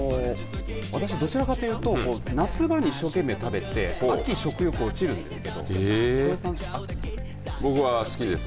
私どちらかというと夏場に一生懸命食べて秋は食欲落ちるんですけど僕は好きです。